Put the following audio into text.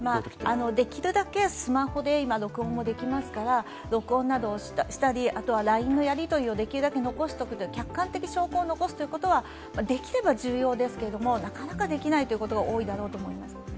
できるだけスマホで今、録音もできますから録音などをしたりＬＩＮＥのやりとりをできるだけ残しておく、客観的証拠を残しておくことはできれば重要ですけれども、なかなかできないということが多いだろうと思います。